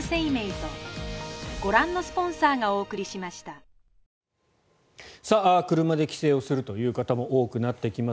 ワイドも薄型車で帰省をするという方も多くなってきます。